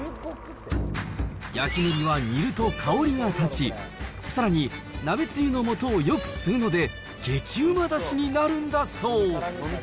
焼きのりは煮ると香りが立ち、さらに鍋つゆのもとをよく吸うので、激うまだしになるんだそう。